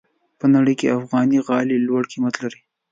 په نړۍ کې افغاني غالۍ لوړ قیمت لري.